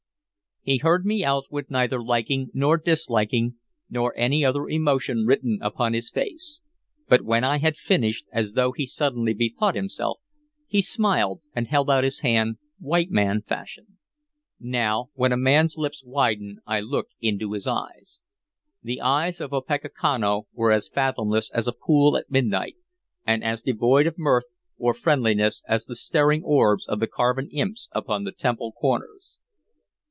He heard me out with neither liking nor disliking nor any other emotion written upon his face; but when I had finished, as though he suddenly bethought himself, he smiled and held out his hand, white man fashion. Now, when a man's lips widen I look into his eyes. The eyes of Opechancanough were as fathomless as a pool at midnight, and as devoid of mirth or friendliness as the staring orbs of the carven imps upon the temple corners.